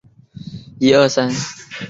冬季温暖。